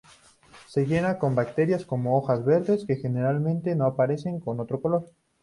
Se llena con brácteas como hojas verdes que generalmente no aparecen con otro color.